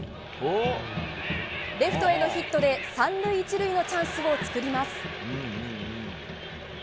レフトへのヒットで３塁１塁のチャンスを作ります。